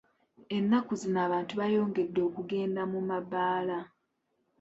Ennaku zino abantu beyongedde okugennda mu mabbaala .